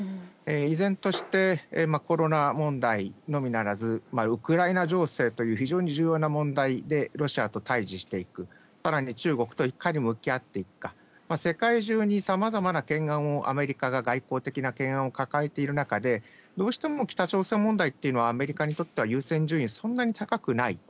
依然として、コロナ問題のみならず、ウクライナ情勢という非常に重要な問題でロシアと対じしていく、さらに中国といかに向き合っていくか、世界中にさまざまな懸案をアメリカが外交的な懸案を抱えている中で、どうしても北朝鮮問題っていうのは、アメリカにとっては優先順位、そんなに高くない。